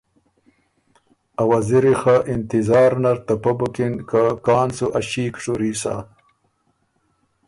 ا وزیری خه انتظار نر ته پۀ بُکِن که کان سُو ا ݭیک شُوري سَۀ